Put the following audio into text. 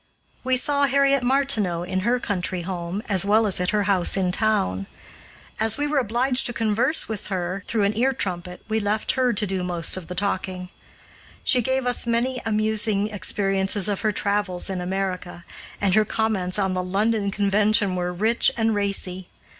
We saw Harriet Martineau at her country home as well as at her house in town. As we were obliged to converse with her through an ear trumpet, we left her to do most of the talking. She gave us many amusing experiences of her travels in America, and her comments on the London Convention were rich and racy.